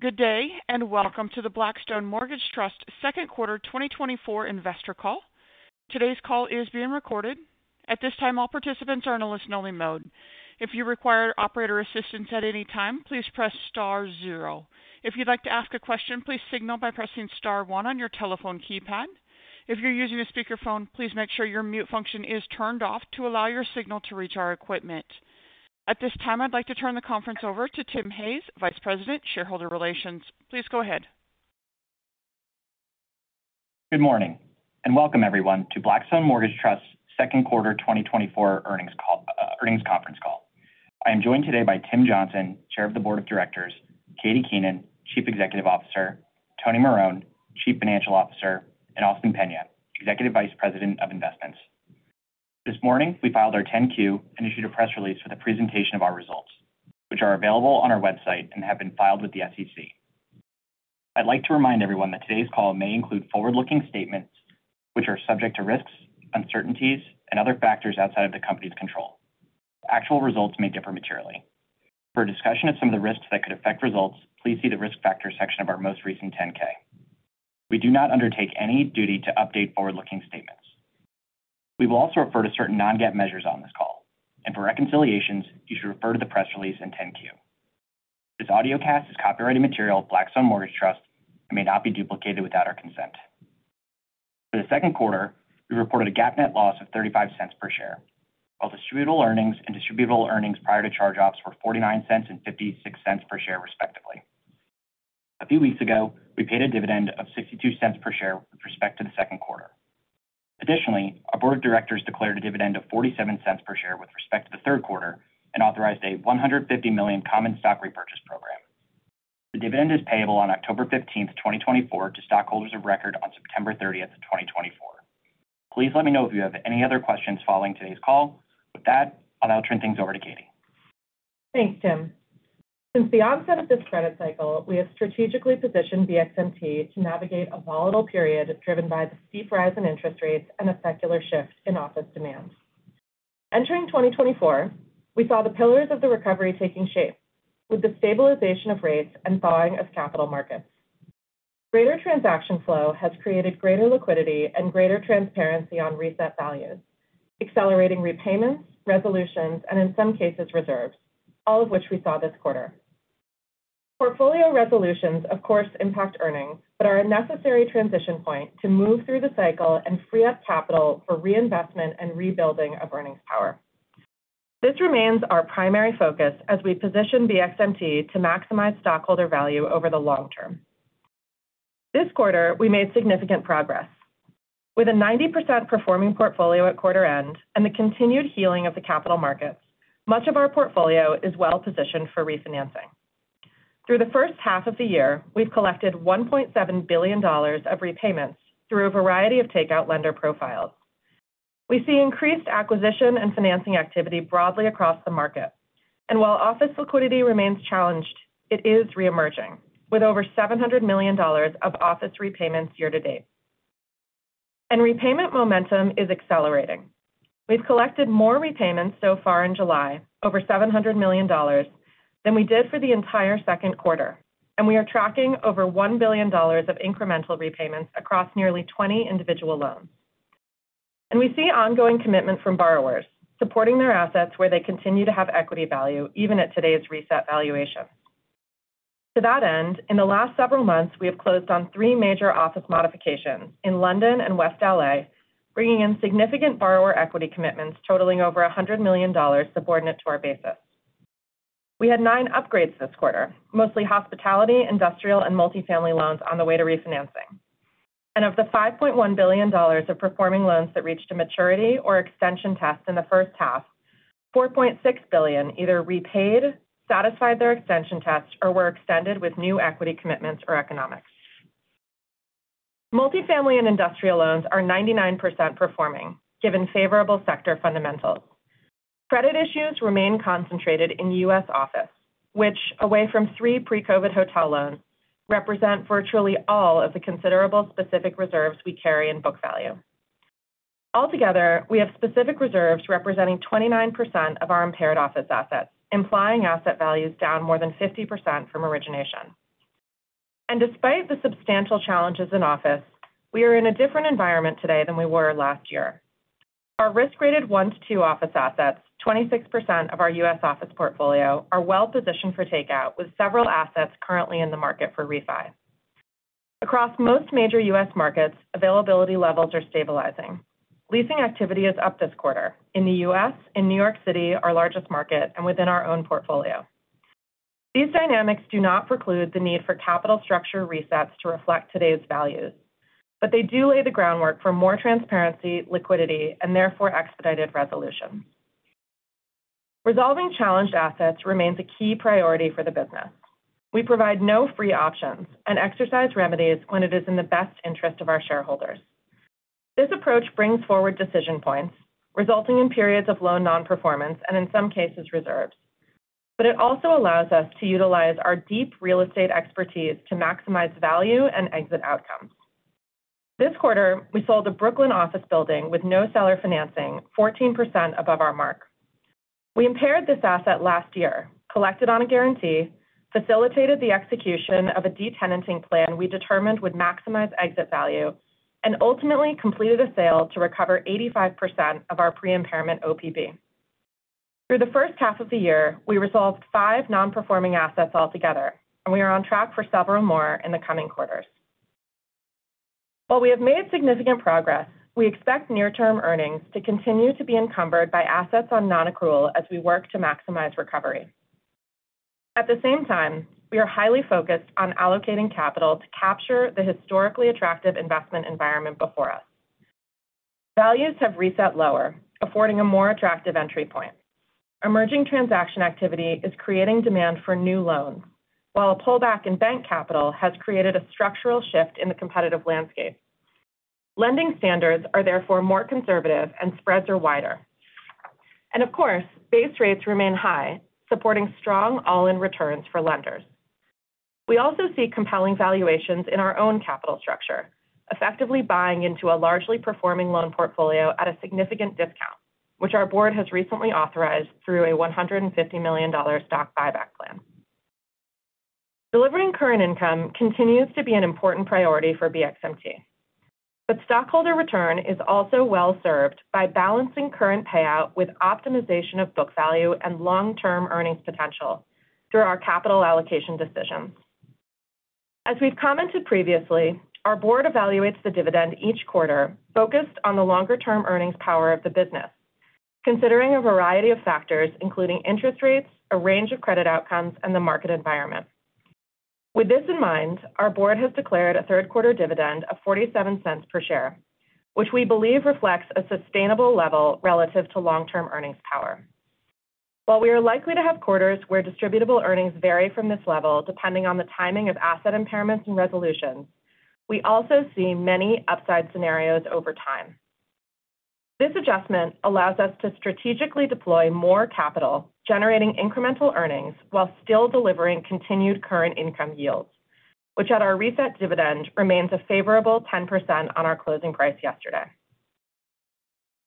Good day and welcome to the Blackstone Mortgage Trust's Second quarter 2024 Investor Call. Today's call is being recorded. At this time, all participants are in a listen-only mode. If you require operator assistance at any time, please press star zero. If you'd like to ask a question, please signal by pressing star one on your telephone keypad. If you're using a speakerphone, please make sure your mute function is turned off to allow your signal to reach our equipment. At this time, I'd like to turn the conference over to Tim Hayes, Vice President, Shareholder Relations. Please go ahead. Good morning and welcome, everyone, to Blackstone Mortgage Trust's second quarter 2024 earnings conference call. I am joined today by Tim Johnson, Chair of the Board of Directors; Katie Keenan, Chief Executive Officer; Tony Marone, Chief Financial Officer; and Austin Peña, Executive Vice President of Investments. This morning, we filed our 10-Q and investor press release for the presentation of our results, which are available on our website and have been filed with the SEC. I'd like to remind everyone that today's call may include forward-looking statements, which are subject to risks, uncertainties, and other factors outside of the company's control. Actual results may differ materially. For a discussion of some of the risks that could affect results, please see the risk factor section of our most recent 10-K. We do not undertake any duty to update forward-looking statements. We will also refer to certain non-GAAP measures on this call, and for reconciliations, you should refer to the press release and 10-Q. This audio cast is copyrighted material of Blackstone Mortgage Trust and may not be duplicated without our consent. For the second quarter, we reported a GAAP net loss of $0.35 per share, while distributable earnings and distributable earnings prior to charge-offs were $0.49 and $0.56 per share, respectively. A few weeks ago, we paid a dividend of $0.62 per share with respect to the second quarter. Additionally, our Board of Directors declared a dividend of $0.47 per share with respect to the third quarter and authorized a $150 million common stock repurchase program. The dividend is payable on October 15th, 2024, to stockholders of record on September 30th, 2024. Please let me know if you have any other questions following today's call. With that, I'll now turn things over to Katie. Thanks, Tim. Since the onset of this credit cycle, we have strategically positioned BXMT to navigate a volatile period driven by the steep rise in interest rates and a secular shift in office demand. Entering 2024, we saw the pillars of the recovery taking shape with the stabilization of rates and thawing of capital markets. Greater transaction flow has created greater liquidity and greater transparency on reset values, accelerating repayments, resolutions, and in some cases, reserves, all of which we saw this quarter. Portfolio resolutions, of course, impact earnings but are a necessary transition point to move through the cycle and free up capital for reinvestment and rebuilding of earnings power. This remains our primary focus as we position BXMT to maximize stockholder value over the long term. This quarter, we made significant progress. With a 90% performing portfolio at quarter end and the continued healing of the capital markets, much of our portfolio is well positioned for refinancing. Through the first half of the year, we've collected $1.7 billion of repayments through a variety of takeout lender profiles. We see increased acquisition and financing activity broadly across the market, and while office liquidity remains challenged, it is reemerging with over $700 million of office repayments year to date. Repayment momentum is accelerating. We've collected more repayments so far in July, over $700 million, than we did for the entire second quarter, and we are tracking over $1 billion of incremental repayments across nearly 20 individual loans. We see ongoing commitment from borrowers, supporting their assets where they continue to have equity value even at today's reset valuation. To that end, in the last several months, we have closed on three major office modifications in London and West LA, bringing in significant borrower equity commitments totaling over $100 million subordinate to our basis. We had nine upgrades this quarter, mostly hospitality, industrial, and multifamily loans on the way to refinancing. Of the $5.1 billion of performing loans that reached a maturity or extension test in the first half, $4.6 billion either repaid, satisfied their extension test, or were extended with new equity commitments or economics. Multifamily and industrial loans are 99% performing, given favorable sector fundamentals. Credit issues remain concentrated in U.S. office, which, away from three pre-COVID hotel loans, represent virtually all of the considerable specific reserves we carry in book value. Altogether, we have specific reserves representing 29% of our impaired office assets, implying asset values down more than 50% from origination. Despite the substantial challenges in office, we are in a different environment today than we were last year. Our risk-rated one to two office assets, 26% of our U.S. office portfolio, are well positioned for takeout, with several assets currently in the market for refi. Across most major U.S. markets, availability levels are stabilizing. Leasing activity is up this quarter in the U.S. and New York City, our largest market, and within our own portfolio. These dynamics do not preclude the need for capital structure resets to reflect today's values, but they do lay the groundwork for more transparency, liquidity, and therefore expedited resolution. Resolving challenged assets remains a key priority for the business. We provide no free options and exercise remedies when it is in the best interest of our shareholders. This approach brings forward decision points, resulting in periods of loan non-performance and, in some cases, reserves. It also allows us to utilize our deep real estate expertise to maximize value and exit outcomes. This quarter, we sold a Brooklyn office building with no seller financing, 14% above our mark. We impaired this asset last year, collected on a guarantee, facilitated the execution of a detenanting plan we determined would maximize exit value, and ultimately completed a sale to recover 85% of our pre-impairment UPB. Through the first half of the year, we resolved five non-performing assets altogether, and we are on track for several more in the coming quarters. While we have made significant progress, we expect near-term earnings to continue to be encumbered by assets on non-accrual as we work to maximize recovery. At the same time, we are highly focused on allocating capital to capture the historically attractive investment environment before us. Values have reset lower, affording a more attractive entry point. Emerging transaction activity is creating demand for new loans, while a pullback in bank capital has created a structural shift in the competitive landscape. Lending standards are therefore more conservative, and spreads are wider. Of course, base rates remain high, supporting strong all-in returns for lenders. We also see compelling valuations in our own capital structure, effectively buying into a largely performing loan portfolio at a significant discount, which our board has recently authorized through a $150 million stock buyback plan. Delivering current income continues to be an important priority for BXMT, but stockholder return is also well served by balancing current payout with optimization of book value and long-term earnings potential through our capital allocation decisions. As we've commented previously, our board evaluates the dividend each quarter, focused on the longer-term earnings power of the business, considering a variety of factors, including interest rates, a range of credit outcomes, and the market environment. With this in mind, our board has declared a third-quarter dividend of $0.47 per share, which we believe reflects a sustainable level relative to long-term earnings power. While we are likely to have quarters where distributable earnings vary from this level depending on the timing of asset impairments and resolutions, we also see many upside scenarios over time. This adjustment allows us to strategically deploy more capital, generating incremental earnings while still delivering continued current income yields, which at our reset dividend remains a favorable 10% on our closing price yesterday.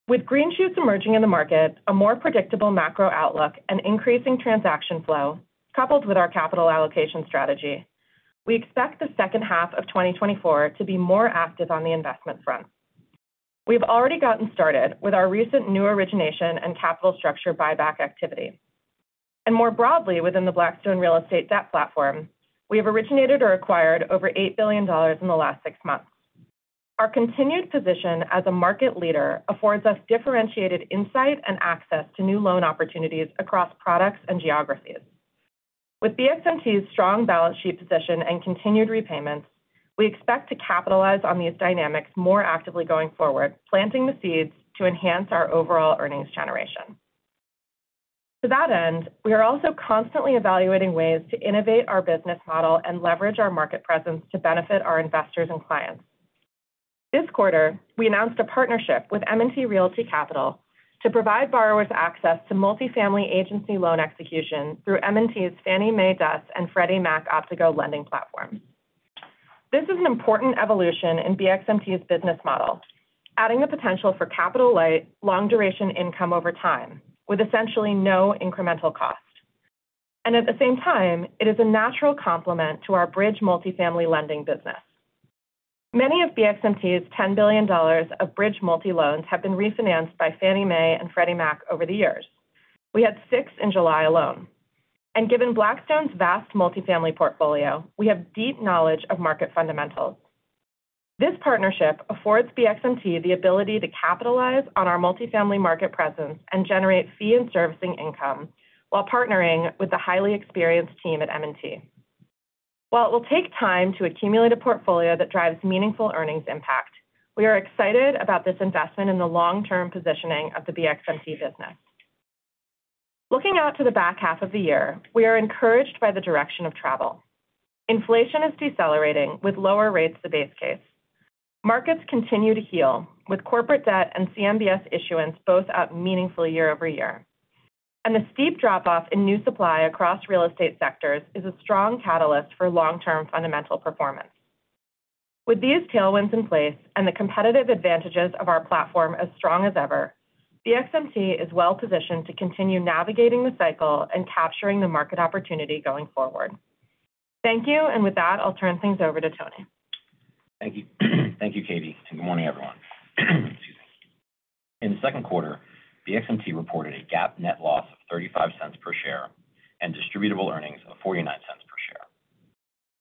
With green shoots emerging in the market, a more predictable macro outlook, and increasing transaction flow, coupled with our capital allocation strategy, we expect the second half of 2024 to be more active on the investment front. We've already gotten started with our recent new origination and capital structure buyback activity. More broadly, within the Blackstone Real Estate Debt Platform, we have originated or acquired over $8 billion in the last six months. Our continued position as a market leader affords us differentiated insight and access to new loan opportunities across products and geographies. With BXMT's strong balance sheet position and continued repayments, we expect to capitalize on these dynamics more actively going forward, planting the seeds to enhance our overall earnings generation. To that end, we are also constantly evaluating ways to innovate our business model and leverage our market presence to benefit our investors and clients. This quarter, we announced a partnership with M&T Realty Capital to provide borrowers access to multifamily agency loan execution through M&T's Fannie Mae DUS and Freddie Mac Optigo lending platforms. This is an important evolution in BXMT's business model, adding the potential for capital-light, long-duration income over time with essentially no incremental cost. And at the same time, it is a natural complement to our bridge multifamily lending business. Many of BXMT's $10 billion of bridge multi-loans have been refinanced by Fannie Mae and Freddie Mac over the years. We had six in July alone. And given Blackstone's vast multifamily portfolio, we have deep knowledge of market fundamentals. This partnership affords BXMT the ability to capitalize on our multifamily market presence and generate fee and servicing income while partnering with the highly experienced team at M&T. While it will take time to accumulate a portfolio that drives meaningful earnings impact, we are excited about this investment in the long-term positioning of the BXMT business. Looking out to the back half of the year, we are encouraged by the direction of travel. Inflation is decelerating with lower rates the base case. Markets continue to heal with corporate debt and CMBS issuance both up meaningfully year over year. The steep drop-off in new supply across real estate sectors is a strong catalyst for long-term fundamental performance. With these tailwinds in place and the competitive advantages of our platform as strong as ever, BXMT is well positioned to continue navigating the cycle and capturing the market opportunity going forward. Thank you, and with that, I'll turn things over to Tony. Thank you. Thank you, Katie, and good morning, everyone. Excuse me. In the second quarter, BXMT reported a GAAP net loss of $0.35 per share and distributable earnings of $0.49 per share.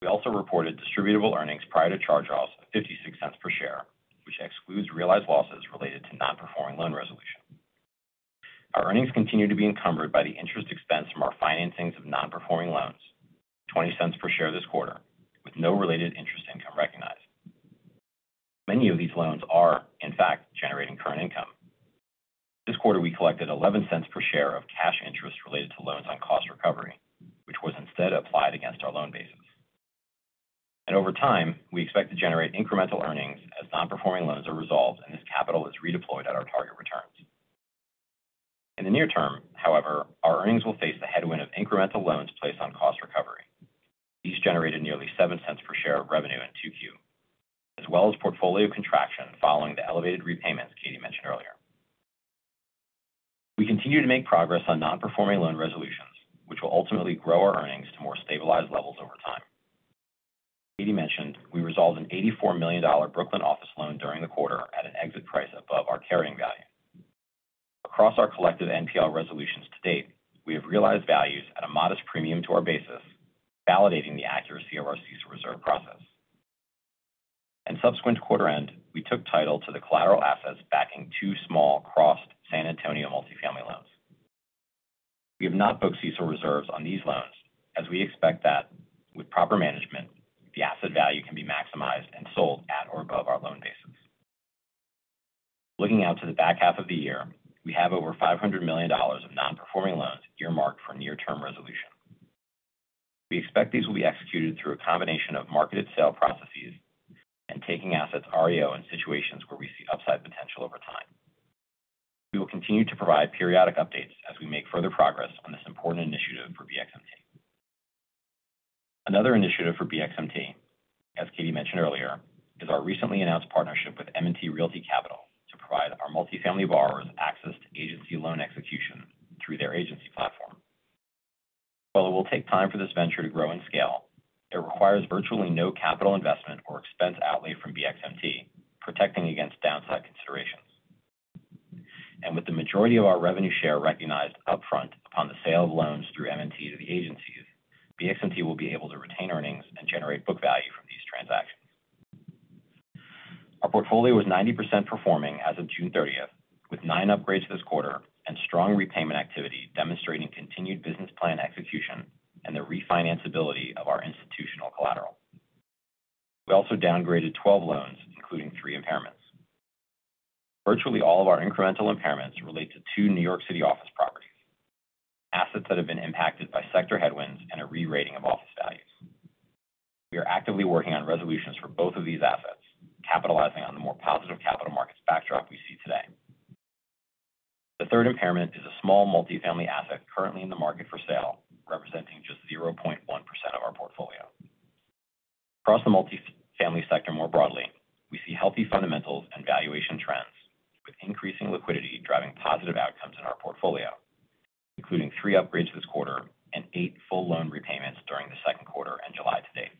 We also reported distributable earnings prior to charge-offs of $0.56 per share, which excludes realized losses related to non-performing loan resolution. Our earnings continue to be encumbered by the interest expense from our financings of non-performing loans, $0.20 per share this quarter, with no related interest income recognized. Many of these loans are, in fact, generating current income. This quarter, we collected $0.11 per share of cash interest related to loans on cost recovery, which was instead applied against our loan basis. Over time, we expect to generate incremental earnings as non-performing loans are resolved and this capital is redeployed at our target returns. In the near term, however, our earnings will face the headwind of incremental loans placed on cost recovery. These generated nearly $0.07 per share of revenue in Q2, as well as portfolio contraction following the elevated repayments Katie mentioned earlier. We continue to make progress on non-performing loan resolutions, which will ultimately grow our earnings to more stabilized levels over time. Katie mentioned we resolved an $84 million Brooklyn office loan during the quarter at an exit price above our carrying value. Across our collective NPL resolutions to date, we have realized values at a modest premium to our basis, validating the accuracy of our CECL reserve process. Subsequent to quarter end, we took title to the collateral assets backing two small crossed San Antonio multifamily loans. We have not booked CECL reserves on these loans, as we expect that with proper management, the asset value can be maximized and sold at or above our loan basis. Looking out to the back half of the year, we have over $500 million of non-performing loans earmarked for near-term resolution. We expect these will be executed through a combination of marketed sale processes and taking assets REO in situations where we see upside potential over time. We will continue to provide periodic updates as we make further progress on this important initiative for BXMT. Another initiative for BXMT, as Katie mentioned earlier, is our recently announced partnership with M&T Realty Capital to provide our multifamily borrowers access to agency loan execution through their agency platform. While it will take time for this venture to grow in scale, it requires virtually no capital investment or expense outlay from BXMT, protecting against downside considerations. With the majority of our revenue share recognized upfront upon the sale of loans through M&T to the agencies, BXMT will be able to retain earnings and generate book value from these transactions. Our portfolio was 90% performing as of June 30th, with 9 upgrades this quarter and strong repayment activity demonstrating continued business plan execution and the refinanceability of our institutional collateral. We also downgraded 12 loans, including 3 impairments. Virtually all of our incremental impairments relate to 2 New York City office properties, assets that have been impacted by sector headwinds and a re-rating of office values. We are actively working on resolutions for both of these assets, capitalizing on the more positive capital markets backdrop we see today. The third impairment is a small multifamily asset currently in the market for sale, representing just 0.1% of our portfolio. Across the multifamily sector more broadly, we see healthy fundamentals and valuation trends, with increasing liquidity driving positive outcomes in our portfolio, including three upgrades this quarter and eight full loan repayments during the second quarter and July to date.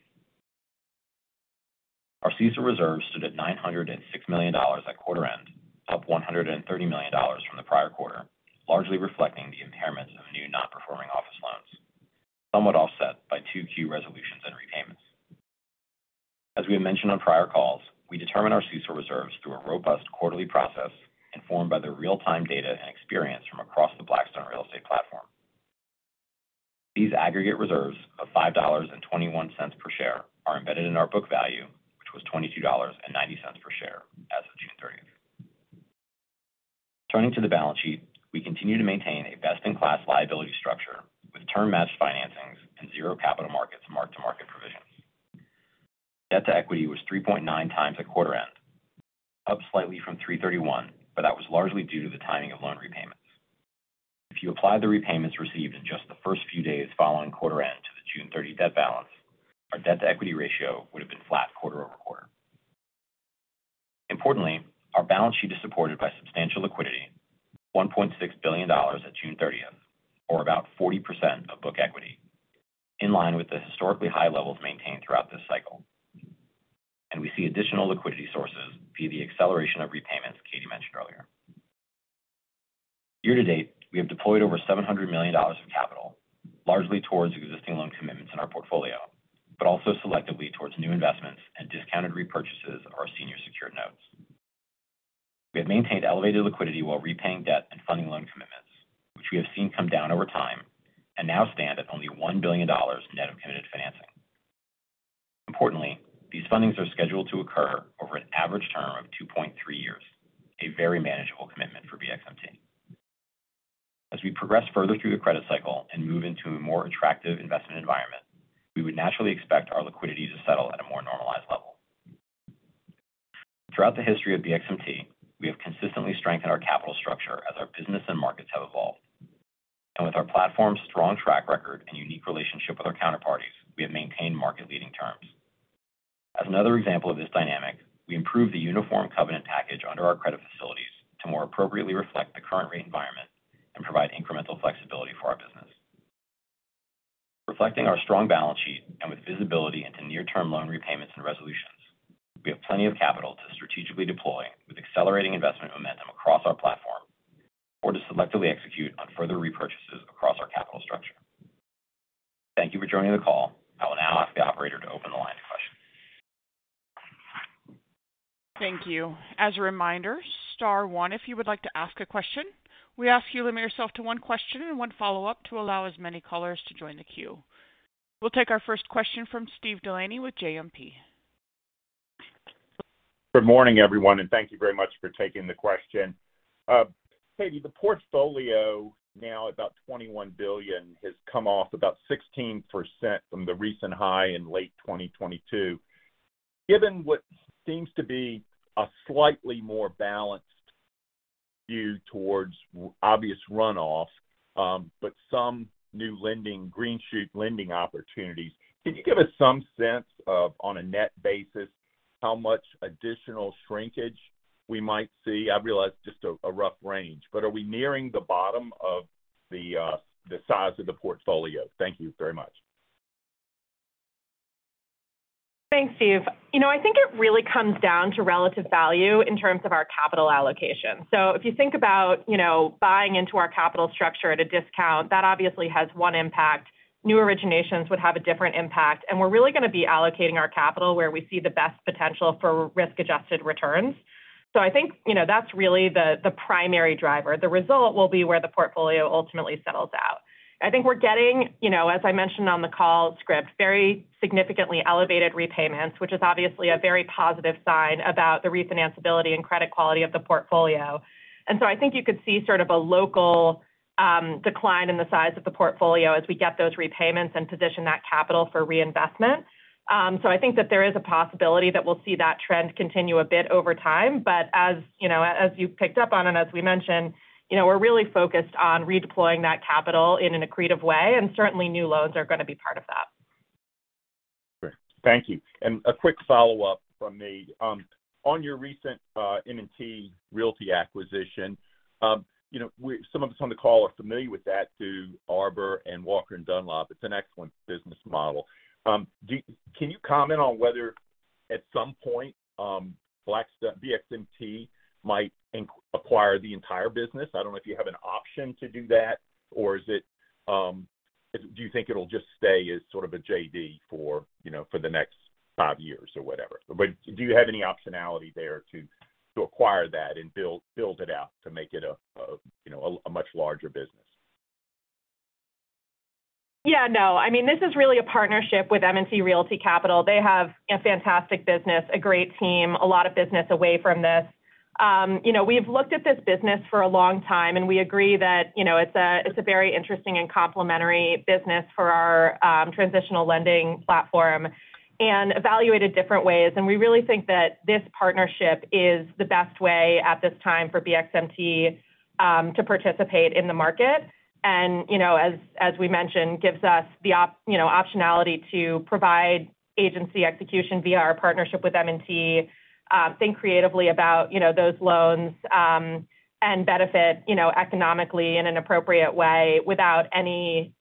Our CECL reserves stood at $906 million at quarter end, up $130 million from the prior quarter, largely reflecting the impairments of new non-performing office loans, somewhat offset by Q/Q resolutions and repayments. As we have mentioned on prior calls, we determine our CECL reserves through a robust quarterly process informed by the real-time data and experience from across the Blackstone Real Estate Platform. These aggregate reserves of $5.21 per share are embedded in our book value, which was $22.90 per share as of June 30th. Turning to the balance sheet, we continue to maintain a best-in-class liability structure with term-matched financings and zero capital markets marked to market provisions. Debt to equity was 3.9 times at quarter end, up slightly from 3.3:1, but that was largely due to the timing of loan repayments. If you applied the repayments received in just the first few days following quarter end to the June 30 debt balance, our debt to equity ratio would have been flat quarter-over-quarter. Importantly, our balance sheet is supported by substantial liquidity, $1.6 billion at June 30th, or about 40% of book equity, in line with the historically high levels maintained throughout this cycle. And we see additional liquidity sources via the acceleration of repayments Katie mentioned earlier. Year to date, we have deployed over $700 million of capital, largely towards existing loan commitments in our portfolio, but also selectively towards new investments and discounted repurchases of our senior secured notes. We have maintained elevated liquidity while repaying debt and funding loan commitments, which we have seen come down over time and now stand at only $1 billion net of committed financing. Importantly, these fundings are scheduled to occur over an average term of 2.3 years, a very manageable commitment for BXMT. As we progress further through the credit cycle and move into a more attractive investment environment, we would naturally expect our liquidity to settle at a more normalized level. Throughout the history of BXMT, we have consistently strengthened our capital structure as our business and markets have evolved. With our platform's strong track record and unique relationship with our counterparties, we have maintained market-leading terms. As another example of this dynamic, we improved the uniform covenant package under our credit facilities to more appropriately reflect the current rate environment and provide incremental flexibility for our business. Reflecting our strong balance sheet and with visibility into near-term loan repayments and resolutions, we have plenty of capital to strategically deploy with accelerating investment momentum across our platform, or to selectively execute on further repurchases across our capital structure. Thank you for joining the call. I will now ask the operator to open the line to questions. Thank you. As a reminder, star one, if you would like to ask a question, we ask you to limit yourself to one question and one follow-up to allow as many callers to join the queue. We'll take our first question from Steve Delaney with JMP. Good morning, everyone, and thank you very much for taking the question. Katie, the portfolio now at about $21 billion has come off about 16% from the recent high in late 2022. Given what seems to be a slightly more balanced view towards obvious runoff, but some new lending, green shoot lending opportunities, can you give us some sense of, on a net basis, how much additional shrinkage we might see? I realize just a rough range, but are we nearing the bottom of the size of the portfolio? Thank you very much. Thanks, Steve. You know, I think it really comes down to relative value in terms of our capital allocation. So if you think about buying into our capital structure at a discount, that obviously has one impact. New originations would have a different impact. And we're really going to be allocating our capital where we see the best potential for risk-adjusted returns. So I think that's really the primary driver. The result will be where the portfolio ultimately settles out. I think we're getting, as I mentioned on the call script, very significantly elevated repayments, which is obviously a very positive sign about the refinanceability and credit quality of the portfolio. And so I think you could see sort of a local decline in the size of the portfolio as we get those repayments and position that capital for reinvestment. So I think that there is a possibility that we'll see that trend continue a bit over time. But as you picked up on and as we mentioned, we're really focused on redeploying that capital in an accretive way, and certainly new loans are going to be part of that. Great. Thank you. A quick follow-up from me. On your recent M&T Realty acquisition, some of us on the call are familiar with that through Arbor and Walker & Dunlop. It's an excellent business model. Can you comment on whether at some point BXMT might acquire the entire business? I don't know if you have an option to do that, or do you think it'll just stay as sort of a JV for the next five years or whatever? But do you have any optionality there to acquire that and build it out to make it a much larger business? Yeah, no. I mean, this is really a partnership with M&T Realty Capital. They have a fantastic business, a great team, a lot of business away from this. We've looked at this business for a long time, and we agree that it's a very interesting and complementary business for our transitional lending platform and evaluated different ways. We really think that this partnership is the best way at this time for BXMT to participate in the market. As we mentioned, gives us the optionality to provide agency execution via our partnership with M&T, think creatively about those loans, and benefit economically in an appropriate way without any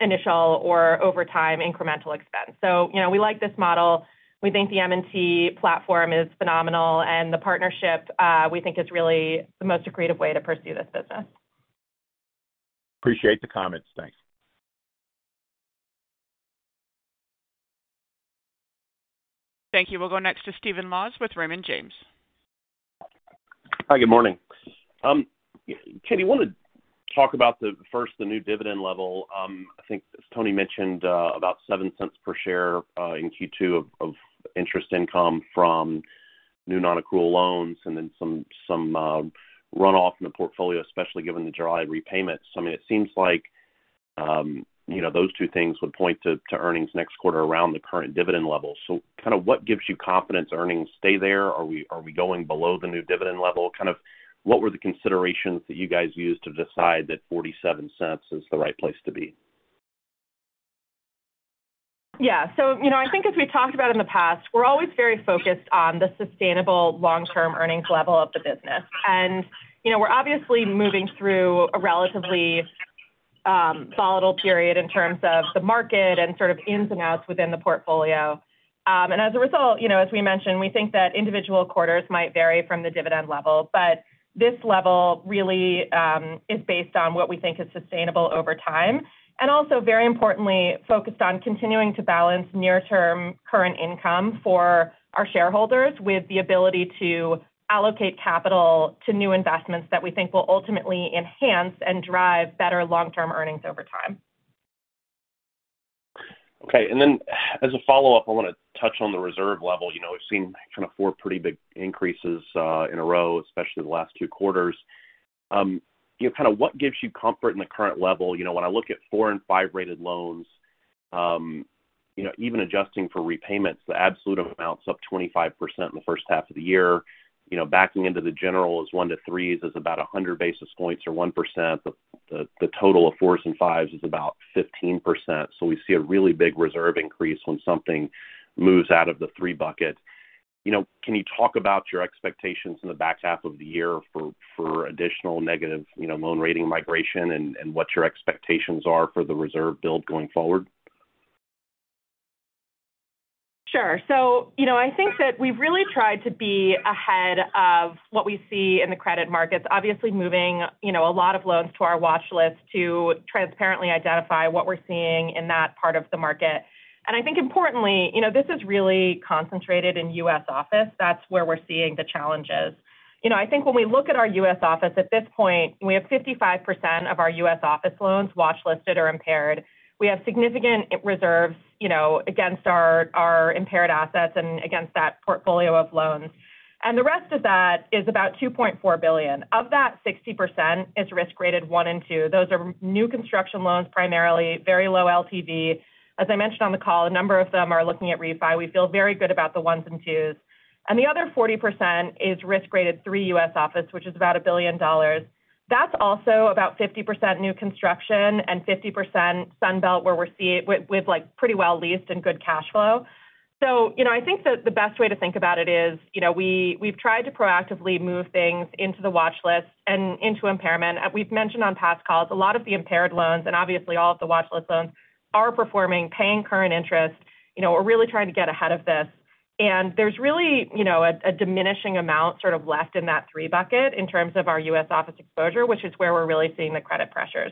initial or over time incremental expense. So we like this model. We think the M&T platform is phenomenal, and the partnership, we think, is really the most accretive way to pursue this business. Appreciate the comments. Thanks. Thank you. We'll go next to Stephen Laws with Raymond James. Hi, good morning. Katie, I want to talk about first the new dividend level. I think Tony mentioned about $0.07 per share in Q2 of interest income from new non-accrual loans and then some runoff in the portfolio, especially given the July repayments. I mean, it seems like those two things would point to earnings next quarter around the current dividend level. So kind of what gives you confidence earnings stay there? Are we going below the new dividend level? Kind of what were the considerations that you guys used to decide that $0.47 is the right place to be? Yeah. I think as we talked about in the past, we're always very focused on the sustainable long-term earnings level of the business. We're obviously moving through a relatively volatile period in terms of the market and sort of ins and outs within the portfolio. As a result, as we mentioned, we think that individual quarters might vary from the dividend level, but this level really is based on what we think is sustainable over time, and also, very importantly, focused on continuing to balance near-term current income for our shareholders with the ability to allocate capital to new investments that we think will ultimately enhance and drive better long-term earnings over time. Okay. Then as a follow-up, I want to touch on the reserve level. We've seen kind of four pretty big increases in a row, especially the last two quarters. Kind of what gives you comfort in the current level? When I look at 4- and 5-rated loans, even adjusting for repayments, the absolute amount's up 25% in the first half of the year. Backing into the generals, one to threes is about 100 basis points or 1%. The total of fours and fives is about 15%. So we see a really big reserve increase when something moves out of the three bucket. Can you talk about your expectations in the back half of the year for additional negative loan rating migration and what your expectations are for the reserve build going forward? Sure. So I think that we've really tried to be ahead of what we see in the credit markets, obviously moving a lot of loans to our watch list to transparently identify what we're seeing in that part of the market. And I think, importantly, this is really concentrated in U.S. office. That's where we're seeing the challenges. I think when we look at our U.S. office at this point, we have 55% of our U.S. office loans watchlisted or impaired. We have significant reserves against our impaired assets and against that portfolio of loans. And the rest of that is about $2.4 billion. Of that, 60% is risk-rated one and two. Those are new construction loans, primarily very low LTV. As I mentioned on the call, a number of them are looking at refi. We feel very good about the ones and twos. The other 40% is risk-rated three U.S. office, which is about $1 billion. That's also about 50% new construction and 50% Sunbelt where we're pretty well leased and good cash flow. So I think that the best way to think about it is we've tried to proactively move things into the watch list and into impairment. We've mentioned on past calls, a lot of the impaired loans and obviously all of the watchlist loans are performing, paying current interest. We're really trying to get ahead of this. And there's really a diminishing amount sort of left in that three bucket in terms of our U.S. office exposure, which is where we're really seeing the credit pressures.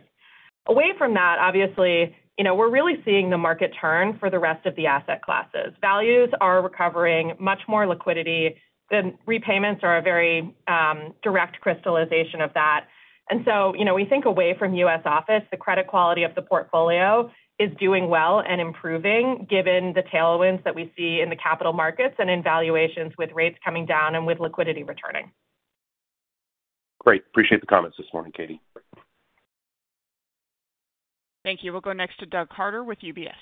Away from that, obviously, we're really seeing the market turn for the rest of the asset classes. Values are recovering much more liquidity. The repayments are a very direct crystallization of that. And so we think away from U.S. office, the credit quality of the portfolio is doing well and improving given the tailwinds that we see in the capital markets and in valuations with rates coming down and with liquidity returning. Great. Appreciate the comments this morning, Katie. Thank you. We'll go next to Doug Harter with UBS.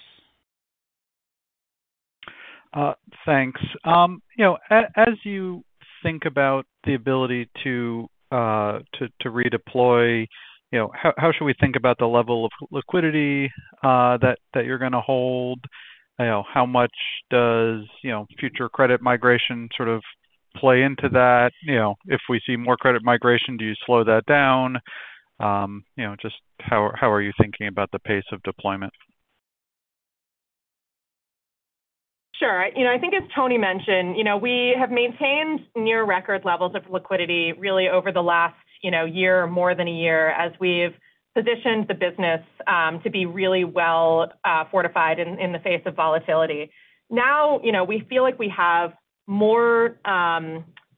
Thanks. As you think about the ability to redeploy, how should we think about the level of liquidity that you're going to hold? How much does future credit migration sort of play into that? If we see more credit migration, do you slow that down? Just how are you thinking about the pace of deployment? Sure. I think, as Tony mentioned, we have maintained near-record levels of liquidity really over the last year, more than a year, as we've positioned the business to be really well fortified in the face of volatility. Now we feel like we have more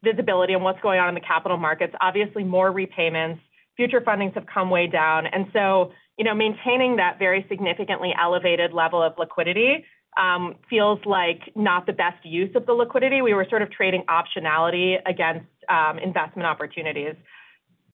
visibility on what's going on in the capital markets, obviously more repayments. Future fundings have come way down. And so maintaining that very significantly elevated level of liquidity feels like not the best use of the liquidity. We were sort of trading optionality against investment opportunities.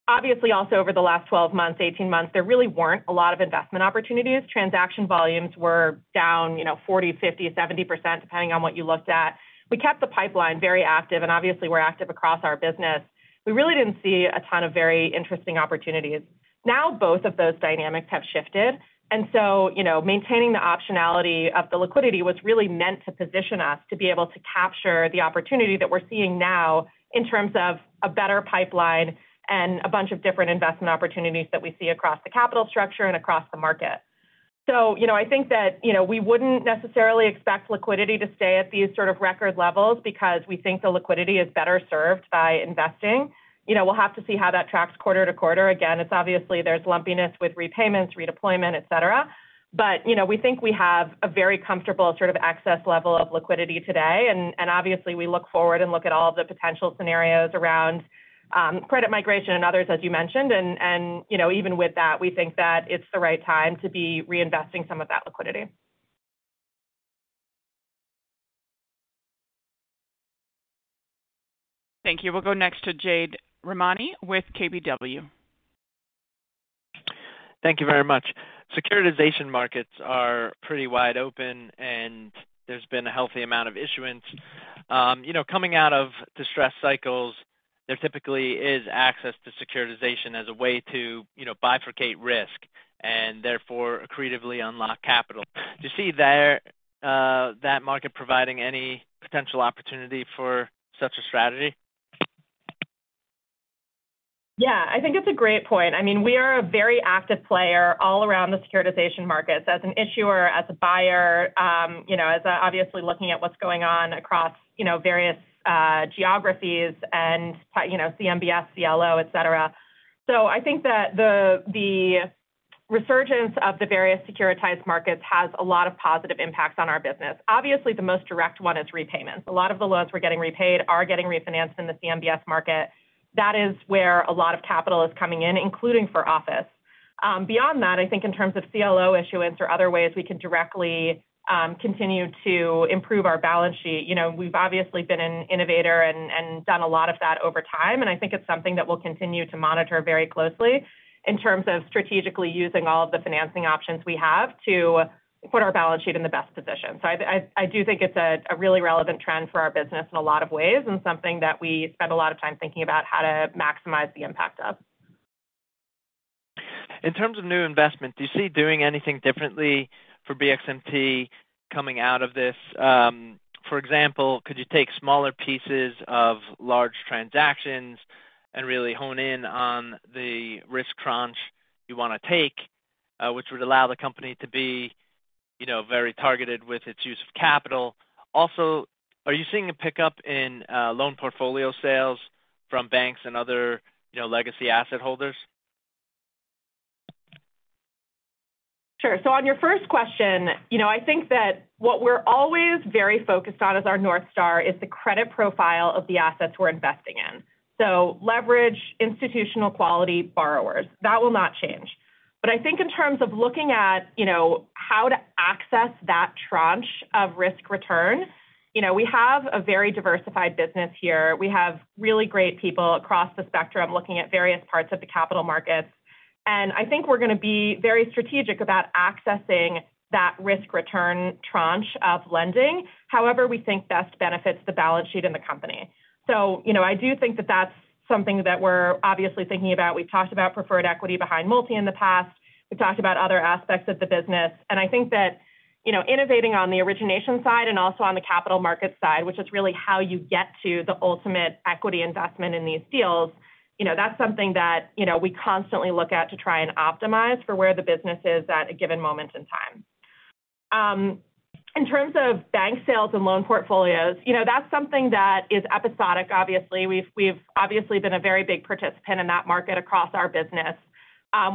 Obviously, also over the last 12 months, 18 months, there really weren't a lot of investment opportunities. Transaction volumes were down 40%, 50%, 70%, depending on what you looked at. We kept the pipeline very active, and obviously, we're active across our business. We really didn't see a ton of very interesting opportunities. Now both of those dynamics have shifted. And so maintaining the optionality of the liquidity was really meant to position us to be able to capture the opportunity that we're seeing now in terms of a better pipeline and a bunch of different investment opportunities that we see across the capital structure and across the market. So I think that we wouldn't necessarily expect liquidity to stay at these sort of record levels because we think the liquidity is better served by investing. We'll have to see how that tracks quarter-to-quarter. Again, it's obvious there's lumpiness with repayments, redeployment, etc. But we think we have a very comfortable sort of excess level of liquidity today. And obviously, we look forward and look at all of the potential scenarios around credit migration and others, as you mentioned. And even with that, we think that it's the right time to be reinvesting some of that liquidity. Thank you. We'll go next to Jade Rahmani with KBW. Thank you very much. Securitization markets are pretty wide open, and there's been a healthy amount of issuance. Coming out of distressed cycles, there typically is access to securitization as a way to bifurcate risk and therefore accretively unlock capital. Do you see that market providing any potential opportunity for such a strategy? Yeah. I think it's a great point. I mean, we are a very active player all around the securitization markets as an issuer, as a buyer, as obviously looking at what's going on across various geographies and CMBS, CLO, etc. So I think that the resurgence of the various securitized markets has a lot of positive impacts on our business. Obviously, the most direct one is repayments. A lot of the loans we're getting repaid are getting refinanced in the CMBS market. That is where a lot of capital is coming in, including for office. Beyond that, I think in terms of CLO issuance or other ways we can directly continue to improve our balance sheet, we've obviously been an innovator and done a lot of that over time. I think it's something that we'll continue to monitor very closely in terms of strategically using all of the financing options we have to put our balance sheet in the best position. I do think it's a really relevant trend for our business in a lot of ways and something that we spend a lot of time thinking about how to maximize the impact of. In terms of new investment, do you see doing anything differently for BXMT coming out of this? For example, could you take smaller pieces of large transactions and really hone in on the risk tranche you want to take, which would allow the company to be very targeted with its use of capital? Also, are you seeing a pickup in loan portfolio sales from banks and other legacy asset holders? Sure. So on your first question, I think that what we're always very focused on as our North Star is the credit profile of the assets we're investing in. So leverage, institutional quality, borrowers. That will not change. But I think in terms of looking at how to access that tranche of risk return, we have a very diversified business here. We have really great people across the spectrum looking at various parts of the capital markets. And I think we're going to be very strategic about accessing that risk return tranche of lending, however we think best benefits the balance sheet and the company. So I do think that that's something that we're obviously thinking about. We've talked about preferred equity behind multi in the past. We've talked about other aspects of the business. And I think that innovating on the origination side and also on the capital market side, which is really how you get to the ultimate equity investment in these deals, that's something that we constantly look at to try and optimize for where the business is at a given moment in time. In terms of bank sales and loan portfolios, that's something that is episodic, obviously. We've obviously been a very big participant in that market across our business.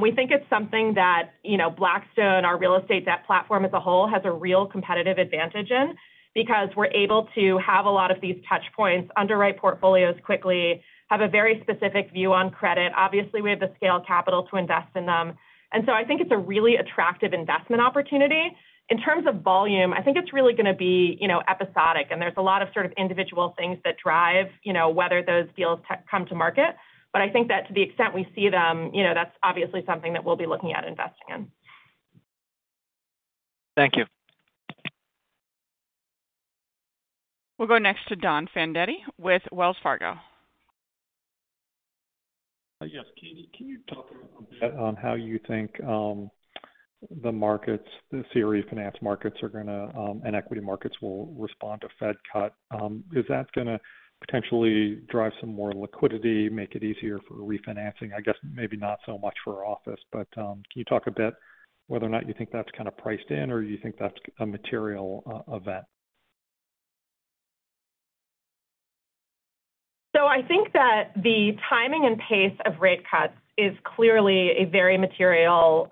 We think it's something that Blackstone, our real estate debt platform as a whole, has a real competitive advantage in because we're able to have a lot of these touch points, underwrite portfolios quickly, have a very specific view on credit. Obviously, we have the scale capital to invest in them. And so I think it's a really attractive investment opportunity. In terms of volume, I think it's really going to be episodic. There's a lot of sort of individual things that drive whether those deals come to market. I think that to the extent we see them, that's obviously something that we'll be looking at investing in. Thank you. We'll go next to Don Fandetti with Wells Fargo. Yes, Katie, can you talk a bit on how you think the markets, the CRE finance markets are going to and equity markets will respond to Fed cut? Is that going to potentially drive some more liquidity, make it easier for refinancing? I guess maybe not so much for office. But can you talk a bit whether or not you think that's kind of priced in or you think that's a material event? So, I think that the timing and pace of rate cuts is clearly a very material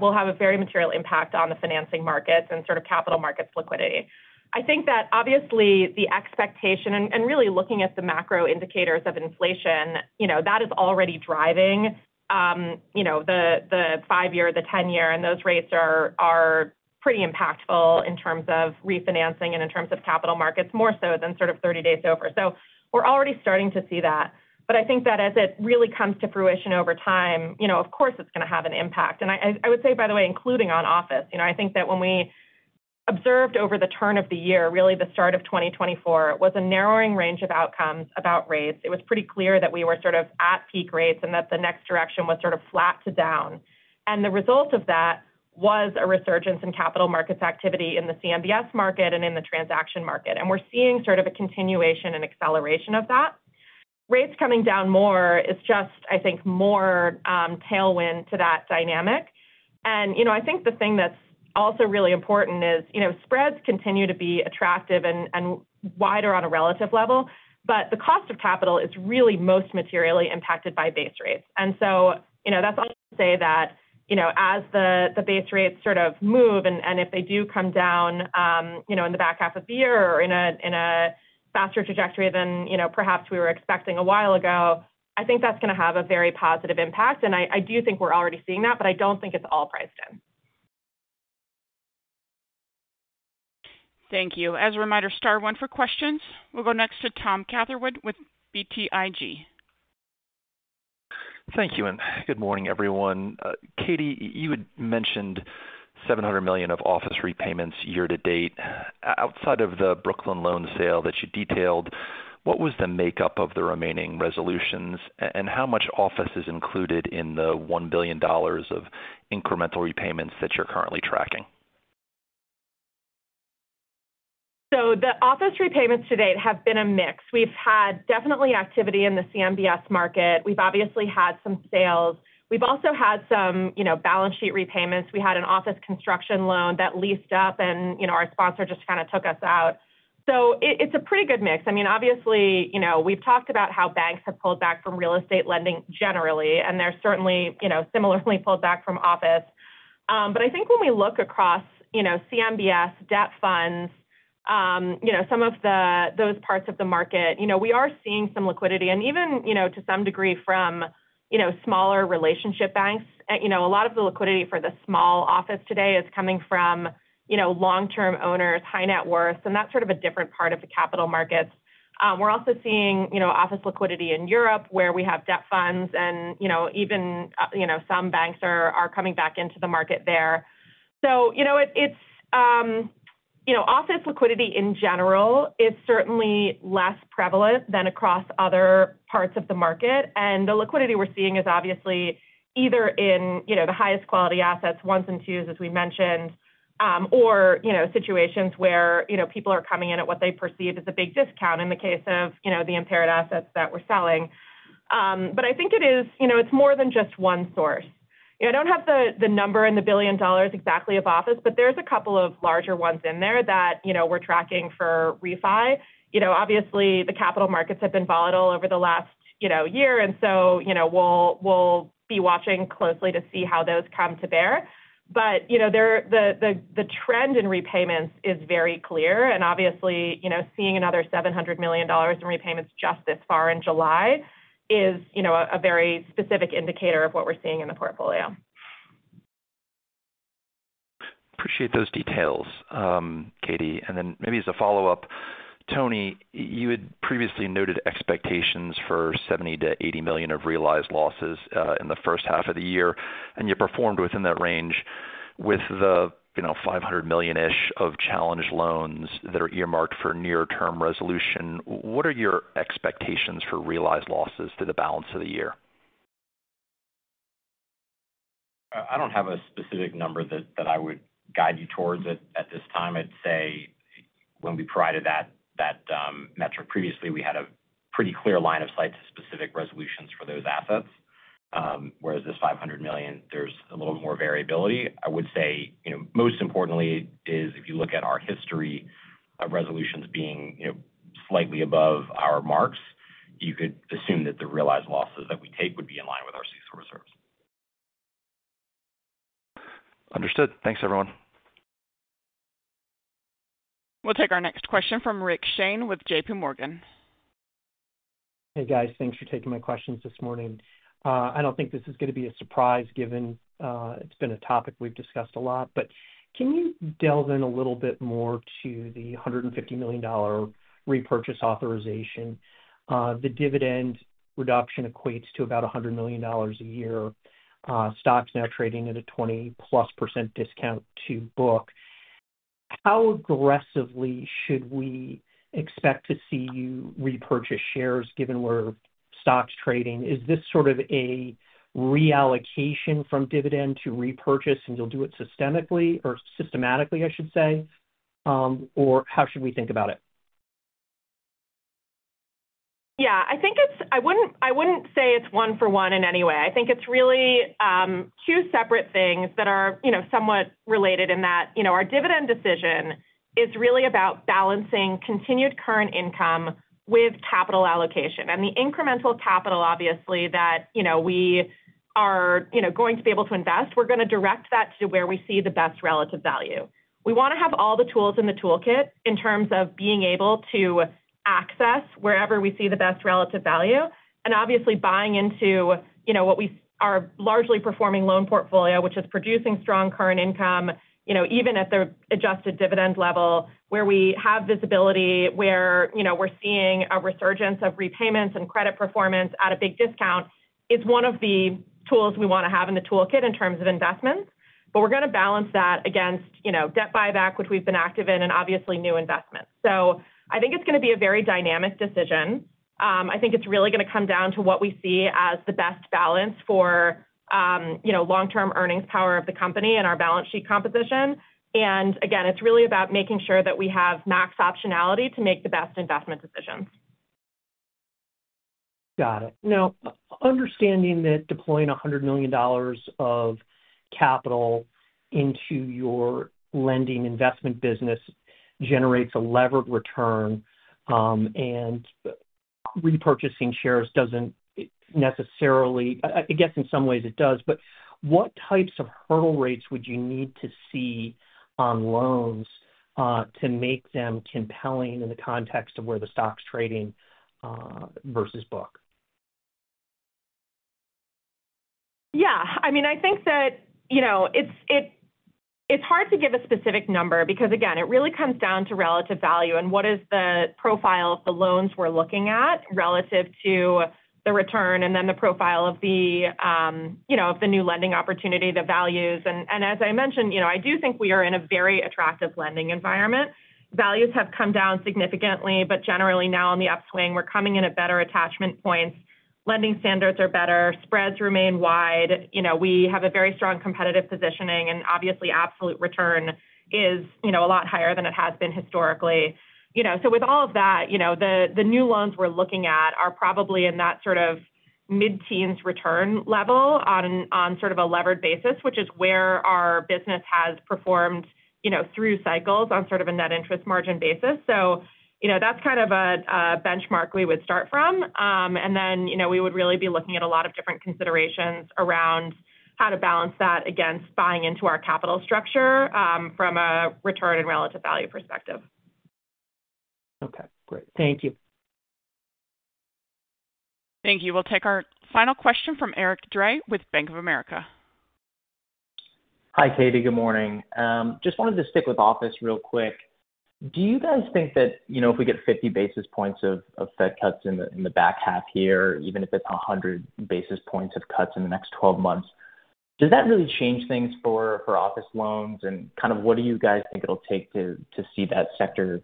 will have a very material impact on the financing markets and sort of capital markets liquidity. I think that obviously the expectation and really looking at the macro indicators of inflation, that is already driving the five-year, the 10-year, and those rates are pretty impactful in terms of refinancing and in terms of capital markets more so than sort of 30 days over. So we're already starting to see that. But I think that as it really comes to fruition over time, of course, it's going to have an impact. And I would say, by the way, including on office, I think that when we observed over the turn of the year, really the start of 2024, it was a narrowing range of outcomes about rates. It was pretty clear that we were sort of at peak rates and that the next direction was sort of flat to down. And the result of that was a resurgence in capital markets activity in the CMBS market and in the transaction market. And we're seeing sort of a continuation and acceleration of that. Rates coming down more is just, I think, more tailwind to that dynamic. And I think the thing that's also really important is spreads continue to be attractive and wider on a relative level. But the cost of capital is really most materially impacted by base rates. And so that's all to say that as the base rates sort of move and if they do come down in the back half of the year or in a faster trajectory than perhaps we were expecting a while ago, I think that's going to have a very positive impact. And I do think we're already seeing that, but I don't think it's all priced in. Thank you. As a reminder, star one for questions. We'll go next to Tom Catherwood with BTIG. Thank you. Good morning, everyone. Katie, you had mentioned $700 million of office repayments year to date. Outside of the Brooklyn loan sale that you detailed, what was the makeup of the remaining resolutions and how much office is included in the $1 billion of incremental repayments that you're currently tracking? So the office repayments to date have been a mix. We've had definitely activity in the CMBS market. We've obviously had some sales. We've also had some balance sheet repayments. We had an office construction loan that leased up, and our sponsor just kind of took us out. So it's a pretty good mix. I mean, obviously, we've talked about how banks have pulled back from real estate lending generally, and they're certainly similarly pulled back from office. But I think when we look across CMBS, debt funds, some of those parts of the market, we are seeing some liquidity and even to some degree from smaller relationship banks. A lot of the liquidity for the small office today is coming from long-term owners, high net worth, and that's sort of a different part of the capital markets. We're also seeing office liquidity in Europe where we have debt funds, and even some banks are coming back into the market there. So office liquidity in general is certainly less prevalent than across other parts of the market. And the liquidity we're seeing is obviously either in the highest quality assets, ones and twos, as we mentioned, or situations where people are coming in at what they perceive is a big discount in the case of the impaired assets that we're selling. But I think it's more than just one source. I don't have the number and the billion dollars exactly of office, but there's a couple of larger ones in there that we're tracking for refi. Obviously, the capital markets have been volatile over the last year, and so we'll be watching closely to see how those come to bear. But the trend in repayments is very clear. And obviously, seeing another $700 million in repayments just this far in July is a very specific indicator of what we're seeing in the portfolio. Appreciate those details, Katie. Then maybe as a follow-up, Tony, you had previously noted expectations for $70 million-$80 million of realized losses in the first half of the year, and you performed within that range with the $500 million-ish of challenged loans that are earmarked for near-term resolution. What are your expectations for realized losses through the balance of the year? I don't have a specific number that I would guide you towards at this time. I'd say when we provided that metric previously, we had a pretty clear line of sight to specific resolutions for those assets. Whereas this $500 million, there's a little more variability. I would say most importantly is if you look at our history of resolutions being slightly above our marks, you could assume that the realized losses that we take would be in line with our CECL reserves. Understood. Thanks, everyone. We'll take our next question from Rick Shane with J.P. Morgan. Hey, guys. Thanks for taking my questions this morning. I don't think this is going to be a surprise given it's been a topic we've discussed a lot. But can you delve in a little bit more to the $150 million repurchase authorization? The dividend reduction equates to about $100 million a year. Stocks now trading at a 20%+ discount to book. How aggressively should we expect to see you repurchase shares given where stocks trading? Is this sort of a reallocation from dividend to repurchase, and you'll do it systemically or systematically, I should say? Or how should we think about it? Yeah. I wouldn't say it's one for one in any way. I think it's really two separate things that are somewhat related in that our dividend decision is really about balancing continued current income with capital allocation. And the incremental capital, obviously, that we are going to be able to invest, we're going to direct that to where we see the best relative value. We want to have all the tools in the toolkit in terms of being able to access wherever we see the best relative value. And obviously, buying into what we are largely performing loan portfolio, which is producing strong current income, even at the adjusted dividend level, where we have visibility, where we're seeing a resurgence of repayments and credit performance at a big discount, is one of the tools we want to have in the toolkit in terms of investments. But we're going to balance that against debt buyback, which we've been active in, and obviously new investments. So I think it's going to be a very dynamic decision. I think it's really going to come down to what we see as the best balance for long-term earnings power of the company and our balance sheet composition. And again, it's really about making sure that we have max optionality to make the best investment decisions. Got it. Now, understanding that deploying $100 million of capital into your lending investment business generates a levered return and repurchasing shares doesn't necessarily, I guess in some ways it does, but what types of hurdle rates would you need to see on loans to make them compelling in the context of where the stock's trading versus book? Yeah. I mean, I think that it's hard to give a specific number because, again, it really comes down to relative value and what is the profile of the loans we're looking at relative to the return and then the profile of the new lending opportunity, the values. As I mentioned, I do think we are in a very attractive lending environment. Values have come down significantly, but generally now in the upswing, we're coming in at better attachment points. Lending standards are better. Spreads remain wide. We have a very strong competitive positioning, and obviously, absolute return is a lot higher than it has been historically. So with all of that, the new loans we're looking at are probably in that sort of mid-teens return level on sort of a levered basis, which is where our business has performed through cycles on sort of a net interest margin basis. So that's kind of a benchmark we would start from. And then we would really be looking at a lot of different considerations around how to balance that against buying into our capital structure from a return and relative value perspective. Okay. Great. Thank you. Thank you. We'll take our final question from Eric Hagen with BTIG. Hi, Katie. Good morning. Just wanted to stick with office real quick. Do you guys think that if we get 50 basis points of Fed cuts in the back half year, even if it's 100 basis points of cuts in the next 12 months, does that really change things for office loans? And kind of what do you guys think it'll take to see that sector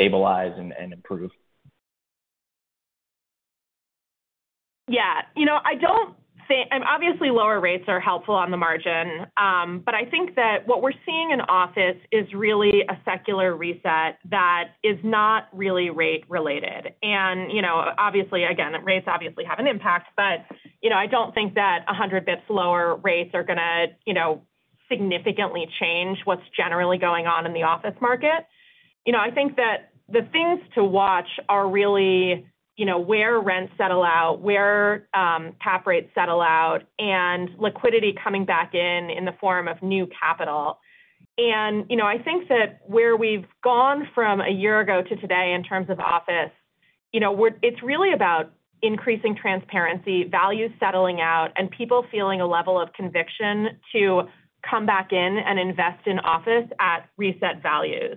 stabilize and improve? Yeah. I don't think obviously, lower rates are helpful on the margin. But I think that what we're seeing in office is really a secular reset that is not really rate-related. And obviously, again, rates obviously have an impact, but I don't think that 100 basis points lower rates are going to significantly change what's generally going on in the office market. I think that the things to watch are really where rents settle out, where cap rates settle out, and liquidity coming back in in the form of new capital. And I think that where we've gone from a year ago to today in terms of office, it's really about increasing transparency, values settling out, and people feeling a level of conviction to come back in and invest in office at reset values.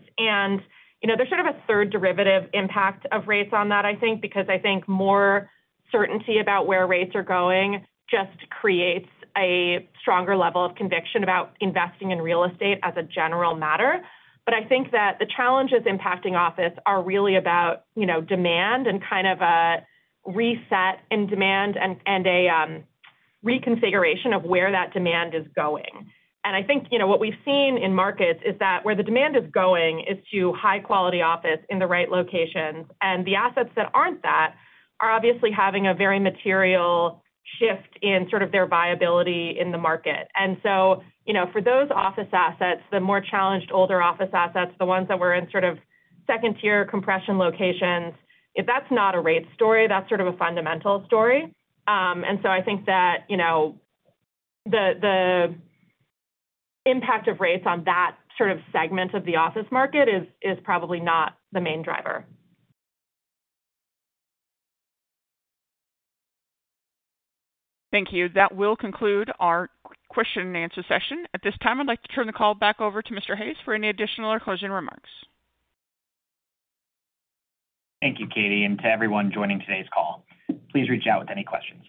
There's sort of a third derivative impact of rates on that, I think, because I think more certainty about where rates are going just creates a stronger level of conviction about investing in real estate as a general matter. But I think that the challenges impacting office are really about demand and kind of a reset in demand and a reconfiguration of where that demand is going. I think what we've seen in markets is that where the demand is going is to high-quality office in the right locations. The assets that aren't that are obviously having a very material shift in sort of their viability in the market. So for those office assets, the more challenged older office assets, the ones that were in sort of second-tier compression locations, if that's not a rate story, that's sort of a fundamental story. I think that the impact of rates on that sort of segment of the office market is probably not the main driver. Thank you. That will conclude our question and answer session. At this time, I'd like to turn the call back over to Mr. Hayes for any additional or closing remarks. Thank you, Katie, and to everyone joining today's call. Please reach out with any questions.